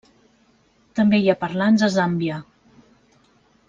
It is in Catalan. També hi ha parlants a Zàmbia.